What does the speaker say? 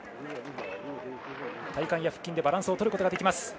体幹や腹筋でバランスを取ることができます。